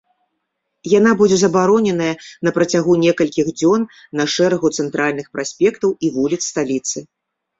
Яна будзе забароненая на працягу некалькіх дзён на шэрагу цэнтральных праспектаў і вуліц сталіцы.